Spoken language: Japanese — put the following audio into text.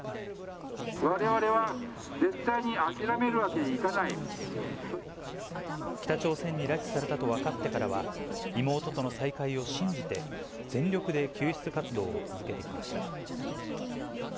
われわれは絶対に諦めるわけ北朝鮮に拉致されたと分かってからは、妹との再会を信じて、全力で救出活動を続けてきました。